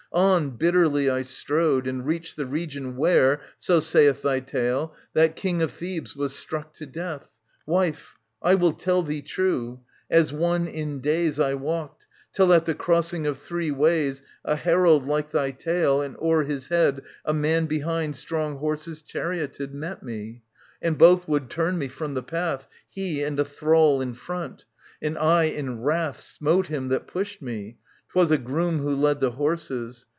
On bitterly I strode, and reached the region where, so saith Thy tale, that King of Thebes was struck to death. ... Wife, I will tell thee true. As one in daze I walked, till, at the crossing of three ways, A herald, like thy tale, and o'er his head A man behind strong horses charioted Met me. And both would turn me from the path. He and a thrall in front. And I in wrath Smote him that pushed me — 'twas a groom who led The horses.